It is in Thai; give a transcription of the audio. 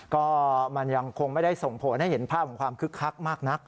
ก็มันยังคงไม่ได้ส่งผลให้เห็นภาพของความคึกคักมากนัก